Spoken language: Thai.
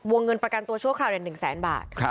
วงเงินประกันตัวชั่วคราวใน๑๐๐๐๐๐บาท